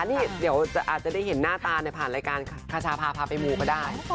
นี่เดี๋ยวอาจจะได้เห็นหน้าตาผ่านรายการคชาพาพาไปมูก็ได้